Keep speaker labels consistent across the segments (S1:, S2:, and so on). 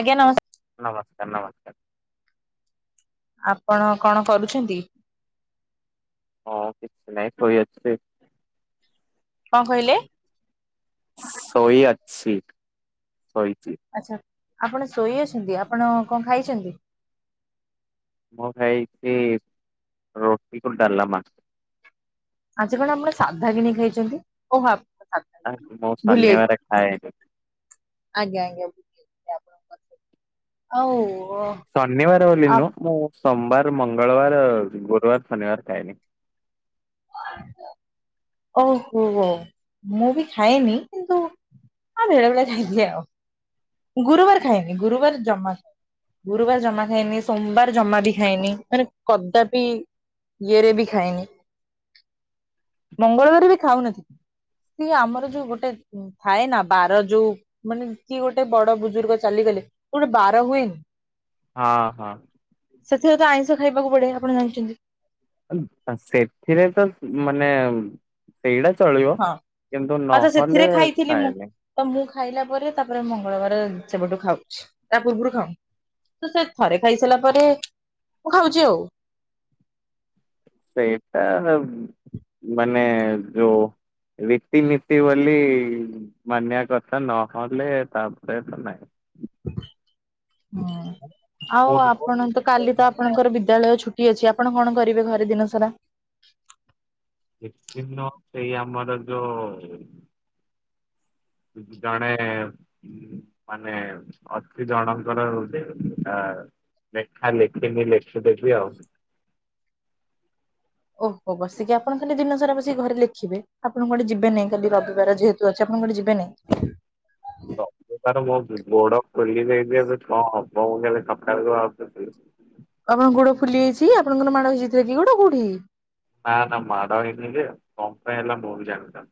S1: ଆଜ୍ଞା ନମସ୍
S2: ନମସ୍କାର ନମସ୍କାର୍।
S1: ଆପଣ କଣ କରୁଛନ୍ତି?
S2: ହଁ କିଛି ନାଇଁ [unintelligible]
S1: କଁ କହିଲେ?
S2: ଶୋଇଅଛି, ଶୋଇଚି।
S1: ଆଚ୍ଛା ଆପଣ ଶୋଇ ଅଛନ୍ତି, ଆପଣ କଁ ଖାଇଛନ୍ତି?
S2: ମୁଁ ଖାଇଚି ରୋଟି କି ଡ଼ାଲମା।
S1: ଆଜି କଣ ଆପଣ ସାଧା କିଣି ଖାଇଛନ୍ତି ଓହୋ ସା
S2: ଆ ମୁଁ ଶନିବାର ଖାଏନି।
S1: ଆଜ୍ଞା ଆଜ୍ଞା ବୁଝିଗଲି ଆପଣ [unintelligible] ଆଉ ଓ
S2: ଶନିବାର ବୋଲି ନୁହଁ, ମୁଁ ସୋମବାର, ମଙ୍ଗଳବାର, ଗୁରୁବାର, ଶନିବାର ଖାଏନି।
S1: [unintelligible] ଓହୋ ହୋ ମୁଁ ବି ଖାଏନି, କିନ୍ତୁ ହଁ ବେଳେବେଳେ ଖାଇଦିଏ ଆଉ ଗୁରୁବାର ଖାଏନି ଗୁରୁବାର ଜମା ଖାଏନି। ଗୁରୁବାର ଜମା ଖାଏନି, ସୋମବାର ଜମା ବି ଖାଏନି ମାନେ କଦାପି ଇଏରେ ବି ଖାଏନି। ମଙ୍ଗଳବାର ବି ଖାଉନଥିଲି ଆମର ଯୋଉ ଗୋଟେ ଥାଏ ନା ବାର ଯୋଉ ମାନେ କିଏ ଗୋଟେ ବଡ ବୁଜୁର୍ଗ ଚାଲିଗଲେ ଗୋଟେ ବାର ହୁଏନି।
S2: ହଁ ହଁ।
S1: ସେଥିରେ ତ ଆଇଁଷ ଖାଇବାକୁ ପଡେ ଆପଣ ଜାଣିଚନ୍ତି।
S2: [unintelligible] ସେଥିରେ ତ ମାନେ ସେଇଡ଼ା ଚଳିବ
S1: ହଁ
S2: କିନ୍ତୁ
S1: ଆଉ ତ
S2: ନହଲେ
S1: ସେଥିରେ ଖାଇଥିଲି ମୁଁ
S2: ଖାଏନି।
S1: ତ ମୁଁ ଖାଇଲା ପରେ ତାପରେ ମଙ୍ଗଳବାର ସେବେଠୁ ଖାଉଛି ତା ପୂର୍ବରୁ ଖାଉ ତ ସେ ଥରେ ଖାଇସାଇଲା ପରେ ମୁଁ ଖାଉଛି ଆଉ।
S2: ସେଇଟା ମାନେ ଯୋଉ ରିତି ନିତି ବୋଲି ମାନିଆ କଥା ନହଲେ ତାପରେ ତ ନାହିଁ।
S1: ହୁଁ ଆଉ
S2: ପୂର୍ବରୁ
S1: ଆପଣ ତ କାଲି ତ
S2: ମାନେ
S1: ଆପଣଙ୍କର ବି ଦ୍ୟାଳୟ ଛୁଟି ଅଛି ଆପଣ କଣ କରିବେ ଘରେ ଦିନ ସାରା?
S2: [unintelligible] ସେଇ ଆମର ଯୋ ଜଣେ ମାନେ ଅତି ଜଣଙ୍କର ଲେଖା ଲେଖିନି ଲେଖିଦେବି ଆଉ।
S1: ଓହୋ, ବସିକି ଆପଣ ଖାଲି ଦିନ ସାରା ବସିକି ଲେଖିବେ ଆପଣ କୁଆଡେ ଯିବେ ନାଇଁ କାଲି ରବିବାର ଯେହେ ତୁ ଅଛି ଆପଣ କୁଆଡେ ଯିବେନେଇଁ।
S2: ରବିବାର ମୋ ଗୋଡ ଫୁଲିଯାଇଚି ଯେ ଏବେ କଣ ହବ ମୁଁ ଖାଲି ସକାଳ କୁ ଭାବୁଚି।
S1: ଆପଣଙ୍କ ଗୋଡ ଫୁଲି ଯାଇଚି। ଆପଣଙ୍କ ର ମାଡ ହେଇଯାଇଥିଲା କି ଗୋଡ କୋଉଠି?
S2: ନାଁ ନାଁ ମାଡ ହେଇନି ଜେ, କଣ ପାଇଁ ହେଲା ମୁଁ ବି ଜାଣିନି।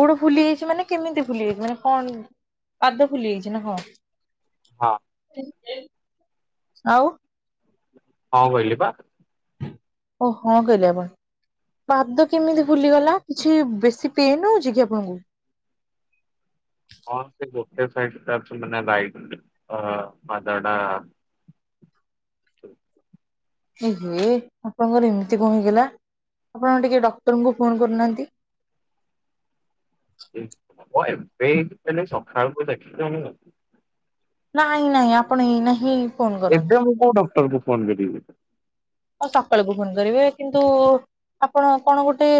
S1: ଗୋଡ ଫୁଲି ଯାଇଚି ମାନେ କେମିତି ଫୁଲି ଯାଇଚି ମାନେ କଣ ପାଦ ଫୁଲି ଯାଇଚି ନା କଣ?
S2: ହଁ।
S1: ଆଉ
S2: ହଁ କହିଲି ପା।
S1: ଓ ହଁ କହିଲେ ଆପଣ। ପାଦ କେମିତି ଫୁଲିଗଲା? କିଛି ବେଶୀ ପେନ୍ ହଉଚି କି ଆପଣଙ୍କୁ?
S2: ହଁ ସେ ଗୋଟେ ସାଇଟ୍ [unintelligible] ହଁ ପାଦ ଟା ହ
S1: ଏ ହେ ଆପଣଙ୍କର ଏମିତି କଣ ହେଇଗଲା। ଆପଣ ଟିକେ ଡକ୍ଟରଙ୍କୁ ଫୋନ୍ କରୁନାହାନ୍ତି।
S2: ହଁ ଏବେ [unintelligible] ସକାଳକୁ। [unintelligible]
S1: ନାଇଁ ନାଇଁ ଆପଣ ଏଇନା ହିଁ ଫୋନ କରନ୍ତୁ
S2: ଏବେ ମୁଁ କୋଉ ଡକ୍ଟର କୁ ଫୋନ୍ କରିବି।
S1: ହଁ ସକାଳକୁ ଫୋନ୍ କରିବେ। କିନ୍ତୁ ଆପଣ କଣ ଗୋଟେ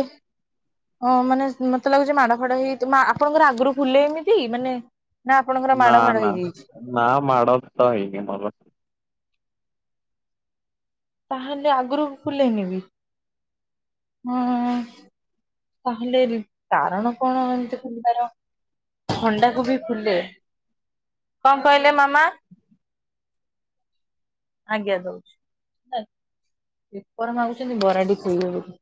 S1: ହଁ ମାନେ ମତେ ଲାଗୁଚି ମାଡ ଫାଡ ହେଇଯାଇ ଆପଣଙ୍କର ଆଗରୁ ଫୁଲେ ଏମିତି ମାନେ ନା ଆପଣଙ୍କର ମାଡ
S2: ନା
S1: ଫାଡ
S2: ନା।
S1: ହେଇଯାଇଛି?
S2: ନା ମାଡ ଫାଡ ହେଇନି ମୋର।
S1: ତାହେଲେ ଆଗରୁ ଫୁଲେନି ବି? ହୁଁ। ତାହେଲେ ରି କାରଣ କଣ ଏମିତି ଫୁଲିବାର? ଥଣ୍ଡାକୁ ବି ଫୁଲେ। କଣ କହିଲେ ମାମା? ଆଜ୍ଞା ଦଉଚି। ହେ ପେପର ମାଗୁଛନ୍ତି ବରା ଟି ଥୋଇବେ ବୋଲି।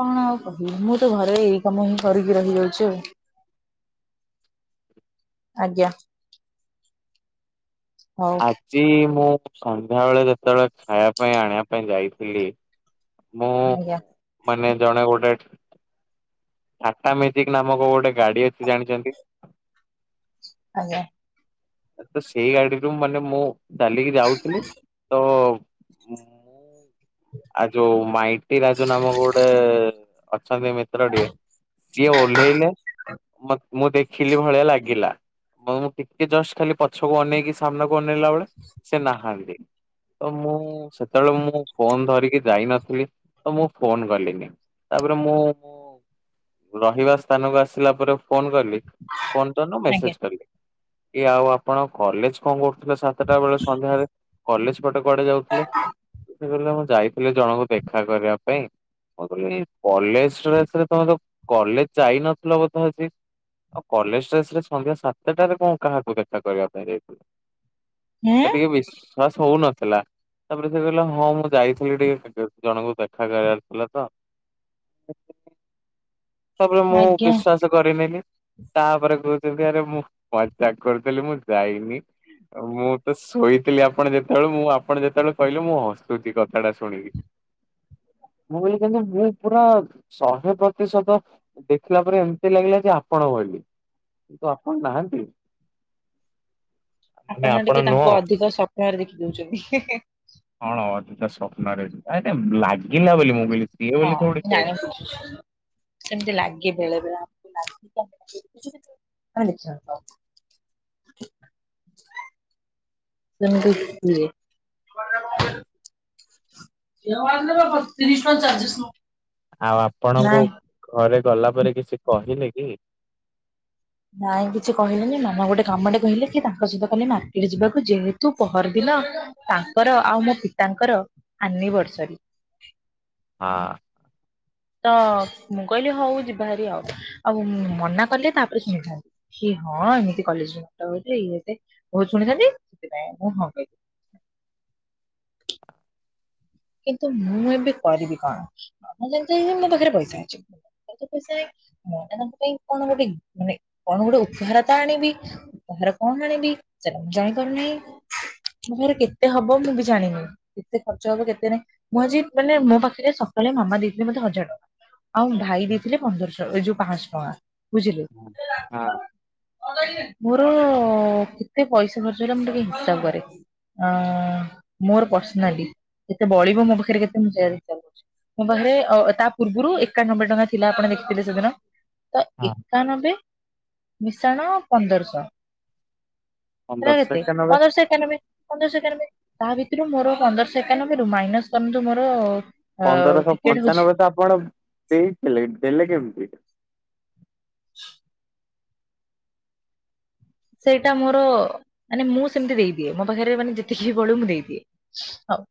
S1: କଣ ଆଉ କହିବି ମୁଁ ତ ଘରେ ଏଇ କାମ ହିଁ କରିକି ରହିଯାଉଚି ଆଉ। ଆଜ୍ଞା। ହଉ
S2: ଆଜି ମୁଁ ସନ୍ଧ୍ୟାବେଳେ ଯେତେବେଳେ ଖାଇବା ପାଇଁ ଆଣିବା ପାଇଁ ଯାଇଥିଲି ମୁଁ
S1: ଆଜ୍ଞା
S2: ମାନେ ଜଣେ ଗୋଟେ ଟାଟା ମେଜିକ୍ ନାମକ ଗୋଟେ ଗାଡି ଅଛି ଜାଣିଚନ୍ତି?
S1: ଆଜ୍ଞା।
S2: ତ ସେଇ ଗାଡିରୁ ମାନେ ମୁଁ ଚାଲିକି ଯାଉଥିଲି ତ ମୁଁ
S1: ହ
S2: ଆ ଯୋଉ ମାଇଟି ରାଜୁ ନାମକ ଗୋଟେ ଅଛନ୍ତି ମିତ୍ରଟିଏ ସିଏ ଓହ୍ଲେଇଲେ ମୁଁ ମୁଁ ଦେଖିଲି ଭଳିଆ ଲାଗିଲା। ମୁଁ ଟିକେ ଜଷ୍ଟ ଖାଲି ପଛ ପଛକୁ ଅନେଇକି ସାମ୍ନାକୁ ଅନେଇଲା ବେଳେ ସେ ନାହାନ୍ତି। ତ ମୁଁ ସେତେବେଳେ ମୁଁ ଫୋନ୍ ଧର ରିକି ଯାଇ ନଥିଲି, ତ ମୁଁ ଫୋନ୍ କଲିିନି। ତାପରେ ମୁଁ ରହିବା ସ୍ଥାନକୁ ଆସିଲା ପରେ ଫୋନ୍ କଲି। ଫୋନ୍ ତ ନୁହଁ
S1: ଆଜ୍ଞା
S2: ମେସେଜ୍ କଲି। କି ଆଉ ଆପଣ କଲେଜ୍ କଣ କରୁ ଥିଲେ ସାତଟା ବେଳେ ସନ୍ଧ୍ୟାରେ, କଲେଜ ପଟେ କୁଆଡେ ଯାଉଥିଲେ? ସେ କହିଲେ ମୁଁ ଯାଇ କହିଲେ ଜଣଙ୍କୁ ଦେଖା କରିବା ପାଇଁ। କହିଲି କଲେଜ ଡ୍ରେସ୍ ରେ ତମେ ତ କଲେଜ ଯାଇନଥିଲ ବୋଧ ଆଜି? ଆଉ କଲେଜ ଡ୍ରେସ ରେ ସନ୍ଧ୍ୟା ସାତଟାରେ କଣ କାହାକୁ ଦେଖା କରିବା ପାଇଁ ଯାଇଥିଲେ? ମତେ
S1: ହୁଁ
S2: ଟିକେ ବିଶ୍ଵାସ ହଉନଥିଲା ତାପରେ ସେ କହିଲା ହଁ ମୁଁ ଯାଇ ବୋଲି ଟିକେ ଜଣଙ୍କୁ ଦେଖା କରିବାର ଥିଲା ତ। ତାପରେ ମୁଁ
S1: ଆଜ୍ଞା
S2: ବିଶ୍ୱାସ କରିନେଲି ତାପରେ କହୁଛନ୍ତି ଆରେ ମୁଁ ମଜାକ କରୁଥିଲି ମୁଁ ଯାଇନି। ମୁଁ ତ ଶୋଇଥିଲି ଆପଣ ଯେତେବେଳେ ମୁଁ ଆପଣ ଯେତେବେଳେ କହିଲେ ମୁଁ ହସୁଛି କ ଏଡା ଶୁଣିକି ମୁଁ କହିଲି କେମିତି ମୁଁ ପୁରା ଶହେ ପ୍ରତିଶତ ଦେଖିଲା ପରେ ଏମିତି ଲାଗିଲା ଯେ ଆପଣ ଭଳି କିନ୍ତୁ ଆପଣ ନାହାନ୍ତି। ମାନେ
S1: ଆପଣ ଟିକେ
S2: ନୁହଁ।
S1: ତାଙ୍କୁ ଅଧିକ ସ୍ଵପ୍ନ ରେ ଦେଖିଦଉଛନ୍ତି।
S2: ହଁ ଅଧିକା ସ୍ୱପ୍ନରେ ନାଇ ନାଇ ଲାଗିଲା ବୋଲି ମୁଁ କଲି।
S1: ହଁ [unintelligible] ସେମିତି ଲାଗେ ବେଳେ ବେଳେ ଆମକୁ ଲାଗ ଆମେ [inaudible] ସେମିତି ହୁଏ। ଏାର ନ ବା ପତିରିଶ ନ ଚାଲିଶ ନ [unintelligible]
S2: ଆଉ ଆପଣଙ୍କୁ ଘରେ ଗଲା ପରେ କିଛି କହିଲେ କି?
S1: ନାଇଁ କିଛି କହିଲେନି ମାମା ଗୋଟେ କାମଟେ କହିଲେ କି ତାଙ୍କ ସହିତ କଲି ମାର୍କେଟ ଯିବାକୁ ଯେହେତୁ ପହରଦିନ ତାଙ୍କର ଆଉ ମୋ ପିତାଙ୍କର ଆନିଭର୍ସରୀ।
S2: ହଁ।
S1: ତ ମୁଁ କହିଲି ହଉ ଯିବାହାରାରି ଆଉ ଆଉ ମନା କଲେ ତାପରେ ଶୁଣିଥାନ୍ତି। ହି ହଁ ଏମିତି କଲେଜ ହ ଇଏ ସେ ବହୁତ ଶୁଣିଥାନ୍ତି ସେଥିପାଇଁ ମୁଁ ହଁ କଲି। କିନ୍ତୁ ମୁଁ ଏବେ କରିବି କଣ ମୁଁ ଜାଣି ଛି ଆଜି ମୋ ପାଖରେ ପଇସା ଅଛି। ପାଖରେ ପଇସା ନାଇଁ ମଁ ତାଙ୍କ ପାଇଁ କଣ ଗୋଟେ ମାନେ କଣ ଗୋଟେ ଉପହାର ତ ଆଣିବି। ଉପହାର କଣ ଆଣିବି ସେଟା ମୁଁ ଜାଣିପାରୁନାହିଁ। ମୋ ପାଖରେ କେତେ ହବ ମୁଁ ବି ଜାଣିନି କେତେ ଖର୍ଚ୍ଚ ହବ କେତେ ମୁଁ ଆଜି ମାନେ ମୋ ପାଖରେ ସକାଳେ ମାମା ଦେଇଥିଲେ ମତେ ହଜାର ଟଙ୍କା ଆଉ ଭାଇ ଦେଇଥିଲେ ପନ୍ଦରଶ ର ଏ ଯୁ ପାଂଶ ଟଙ୍କା ବୁଝିଲେ।
S2: ହଁ
S1: ମୋର କେତେ ପଇସା ଖର୍ଚ୍ଚ ହେଲା ମୁଁ ଟିକେ ହିସାବ କରେ। ଅ ମୋର ପର୍ସନାଲି କେତେ ବଳିବ ମୋ ପାଖରେ କେତେ [unintelligible] ମୋ ପାଖରେ ତା ପୂର୍ବରୁ ଏକାନବେ ଟଙ୍କା ଥିଲା ଆପଣ ଦେଖିଥିଲେ ସେଦିନ। ତ
S2: ହଁ
S1: ଏକାନବେ ମିଶାଣ ପନ୍ଦରଶହ। ହେରା
S2: ପନ୍ଦରଶହ
S1: କେତେ
S2: ଏକାନବେ
S1: ପନ୍ଦଶ ଏକାନବେ ପନ୍ଦରଶ୍ ଏକାନବେ ତା ଭିତରୁ ମୋର ପନ୍ଦରଶ ଏ ଏକାନବେରୁ ମାଇନସ କରନ୍ତୁ ମୋର ଅ
S2: ପନ୍ଦରଶହ
S1: ଟିକେଟ ହଉଛି
S2: ପଞ୍ଚାନବେ ତ ଆପଣ ଦେଇଥିଲେ ଦେଲେ କେମିତି?
S1: ସେଇଟା ମୋର ମାନେ ମୁଁ ସେମିତି ଦେଇଦିଏ ମୋ ପାଖରେ ମାନେ ଯେତିକି ବଳୁ ମୁଁ ଦେଇଦିଏ। ହଉ।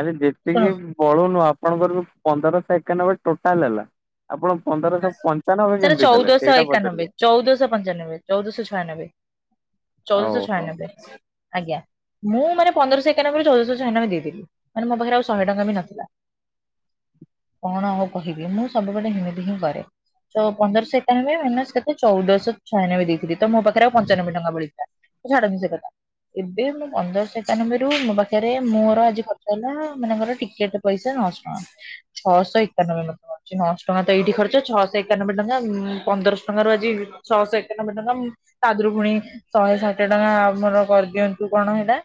S2: ଆରେ
S1: ଶୁଣ
S2: ଯେତିକି ବଳୁ ନୁହ ଆପଣଙ୍କର ପନ୍ଦରଶ ଏକାନବେ ଟୋଟାଲ ହେଲା। ଆପଣ ପନ୍ଦରଶହ ପଞ୍ଚାନବେ
S1: ସେଟା
S2: କେମିତି ଦେଲେ
S1: ଚଉଦଶ
S2: ସେଇଟା
S1: ଏକାନବେ
S2: ପଚାରୁଚି?
S1: ଚଉଦଶ ପଞ୍ଚାନବେ ଚଉଦଶ ଛୟାନବେ। ଚଉଦଶ
S2: ଓହୋ
S1: ଛୟାନବେ ଆଜ୍ଞା ମୁଁ ମାନେ ପନ୍ଦରସ ଏକାନବେରୁ ଚଉଦଶହ ଛୟାନବେ ଦେଇଦେଲି। ମାନେ ମୋ ପାଖରେ ଆଉ ଶହେ ଟଙ୍କ ବି ନଥିଲା। କଣ ଆଉ କହିବି ମୁଁ ସବୁବେଳେ ହେମିତି ହିଁ କରେ। ପନ୍ଦରଶ ଏକତାନବେ ମାଇନସ କେତେ ଚଉଦଶ ଛୟାନବେ ଦେଇଥିଲି ତ ମୋ ପାଖରେ ଆଉ ପଞ୍ଚାନବେ ଟଙ୍କା ବଳିଥିଲା। ଛାଡ଼ନ୍ତୁ ସେ କଥା। ଏବେ ମୁଁ ପନ୍ଦରଶ ଏକାନବେରୁ ମୋ ପାଖରେ ମୋର ଆଜି ଖର୍ଚ୍ଚ ହେଲା ମାନେ ମୋର ଟିକେଟ ପଇସା ନଅଶହ ଟଙ୍କା ଛଅଶହ ଏକାନବେ ଲକ୍ଷ ଅଛି ହଁ ଅଶ ଟଙ୍କା ତ ଏଇଠି ଖର୍ଚ୍ଚ। ଛଅଶହ ଏକାନବେ ଟଙ୍କା ଉମ୍ ପନ୍ଦରଶହ ଟଙ୍କାରୁ ଆଜି ଛଅଶହ ଏକାନବେ ଟଙ୍କା ତାଦେରୁ ପୁଣି ଶଏ ଷାଠିଏ ଟଙ୍କା ଆମର କରିଦିଅନ୍ତୁ କଣ ହେଇଟା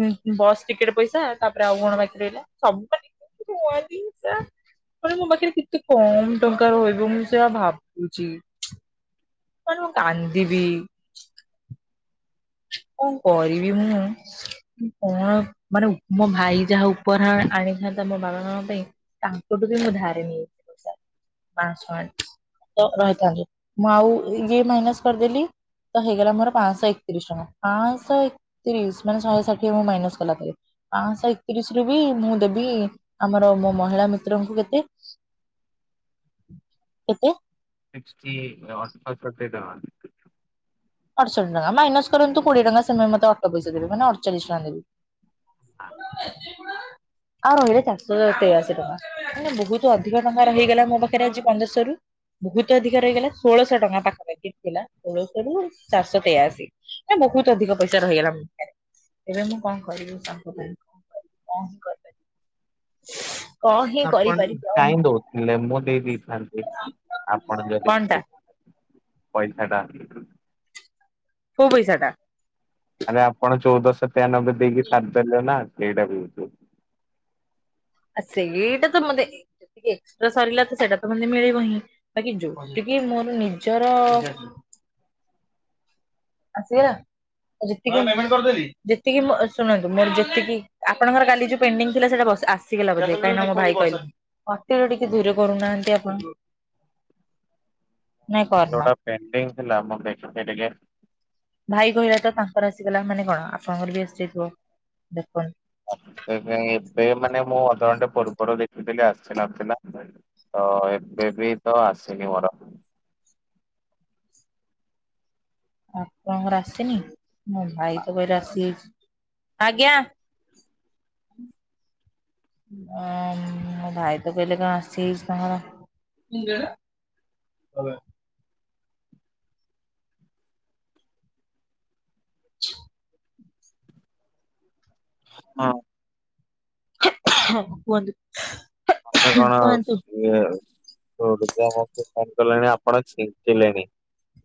S1: ହୁଁ ହୁଁ ବସ୍ ଟିକେଟ ପଇସା ତାପରେ ଆଉ କଣ ବାକି ରହିଲା ସବୁ ପା [unintelligible] ମାନେ ମୋ ପାଖରେ କି ତେ କମ୍ ଟଙ୍କା ରହିବ ମୁଁ ସେଆ ଭାବୁଚି। ମାନେ ମୁଁ କାନ୍ଦିବି। କଁ କରିବି ମୁଁ? କଣ ମାନେ ମୋ ଭାଇ ଯାହା ଉପହାର ଆଣିଥାନ୍ତା ମୋ ବାବା ମାମା ପାଇଁ ତାଙ୍କଠୁ ବି ମୁଁ ଧାରେ ନେଇଚି ପଇସା ପାଁଶ ଆଣିଚି। ତ ରହିଥାନ୍ତୁ ମୁଁ ଆଉ ଇଏ ମାଇନାସ୍ କରିଦେଲି ତ ହେଇଗଲା ମୋର ପାଁଶହ ଏକ ତିରିଶ ଟଙ୍କା ପାଆଁଶ ଏକତିରିଶ ମାନେ ଶହେ ଷାଠିଏ ମୁଁ ମାଇନସ୍ କଲା ପରେ। ପାଆଁଶ ଏକତିରିଶ ରୁ ବି ମୁଁ ଦେବି ଆମର ମୋ ମହିଳା ମିତ୍ରଙ୍କୁ କେତେ। କେତେ?
S2: ସିଷ୍ଟି ମା ଅଠସଠି ଟଆଁ।
S1: ଅଠଷଠି ଟଙ୍କା ମାଇନସ୍ କରନ୍ତୁ କୋଡ଼ିଏ ଟଙ୍କା ସେମା ମତେ ଅଟ ପଇସା ଦେବେ ମାନେ ଅଠଚାଳିଶ୍ ଟଙ୍କା ନେବେ। [inaudible] ଆଉ ରହିଲେ ଚାରିଶହ ତେୟାଅଶୀ ଟଙ୍କା ମାନେ ବୋହୁତୁ ଅଧିକ ଟଙ୍କା ରହିଗଲା ମୋ ପାଖରେ ଆଜି ପନ୍ଦରଶ ରୁ। ବହୁତ ଅଧିକା ରହିଗଲା ଷୋଳଶହ ଟଙ୍କା ପାଖାପାଖି ଥିଲା ଷୋଳଶହ ରୁ ଚାରିଶହ ତେୟଅଶି ମ ବୋହୁତୁ ଅଧିକ ପଇସା ରହିଗଲା। ଏବେ ମୁଁ କଣ କରିବି [unintelligible] କଣ ହିଁ କରିପାରିବି କଣ ହିଁ
S2: ଆପଣ
S1: କରିପାରିବି ଆଉ
S2: କାଇଁ ଦଉଥିଲେ ମୁଁ ଦେଇଦେଥାନ୍ତି ଆପଣ ଯଦି
S1: କଣ ଟା
S2: କହି ପଇସାଟା [unintelligible]
S1: କୋଉ ପଇସାଟା?
S2: ଆରେ ଆପଣ ଚଉଦଶ ତେୟାନବେ ଦେଇକି ସାରଦେଲେ ନା ସେଇଟା କହୁଚି।
S1: ଆ ସେଇଟା ତ ମତେ ଏ ଏତିକି ଏକ୍ସଟ୍ରା ସରିିଲା ତ ସେଇଟାତ ମତେ ମିଲିବହିଁ। ବାକି ଯୋଉଠିକି ମୋର ନିଜର ଆସିବେ ଯେତିକି ଯେତିକି ମୋ ଶୁଣନ୍ତୁ ମୋର ଯେତିକି ଆପଣଙ୍କର କାଲି ଯୋଉ ପେଣ୍ଡିଙ୍ଗ୍ ଥିଲା ସେଟା ବସ୍ ଆସ୍ ଆସିଗଲା ବୋଧେ କାହିଁନା ମୋ ଭାଇ କହିଲା ଅତିରେ ଟିକେ ଧୀରେ କରୁନାହାନ୍ତି ଆପଣ। ନାଇଁ କରନା।
S2: ପେଣ୍ଡିଙ୍ଗ୍ ଥିଲା ମୁଁ ଦେଖୁଚି ଟିକେ।
S1: ଭାଇ କହିଲା ତ ତାଙ୍କର ଆସିଗଲା ମାନେ କଣ ଆପଣଙ୍କର ବି ଆସିଯାଇଥିବ ଦେଖନ୍।
S2: ଏବେ ଏବେ ମାନେ ମୁଁ ଅଧଘଣ୍ଟେ ପର୍ବରୁ ଦେଖିଥିଲି ଆସି ନଥିଲା। ତ ଏବେବି ତ ଆସିନି ମୋର।
S1: ଆପଣଙ୍କର ଆସିନି ମୋ ଭାଇ ତ କହିଲା ଆସିଯାଇଚି ଆଜ୍ଞା। ହୁ। ଅ ମୋ ଭାଇ ତ କହିଲେ କଣ ଆସି ଯାଇଚି ତାଙ୍କର। [unintelligible]
S2: ହଁ।
S1: କୁହନ୍ତୁ।
S2: ମତେ କଣ ଉଁ
S1: କୁହନ୍ତୁ।
S2: ଥଣ୍ଡା ବୋଧେ ଧରିଦେଲାଣି ଆପଣ ଚିଞ୍ଚିଲେଣି?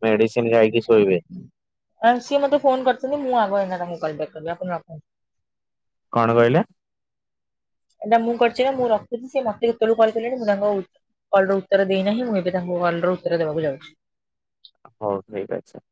S2: ମେଡ଼ିସିନ୍ ଖାଇକି ଶୋଇବେ।
S1: ସିଏ ମୋତେ ଫୋନ କରିଥିଲେ ମୁଁ ଆଗ ଏଇନା ତାଙ୍କୁ କଲ ବାକ୍ କରିବି ଆପଣ ରଖନ୍ତୁ।
S2: କଣ କହିଲେ?
S1: ଏଟା ମୁଁ କରିଚି ନା ମୁଁ ରଖୁଛି ସେ ମୋତେ ହେତେବେଳୁ କଲ୍ କଲେଣି ମୁଁ ତାଙ୍କୁ କଲ୍ ର ଉତ୍ତର ଦେଇନାହିଁ ମୁଁ ଏବେ ତାଙ୍କୁ କଲ୍ ର ଉତ୍ତର ଦେବାକୁ ଯାଉଛି।
S2: ହଉ ଠିକ୍ ଅଛି।